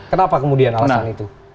kenapa kemudian alasan itu